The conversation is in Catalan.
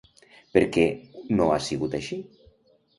Per què no ha sigut així?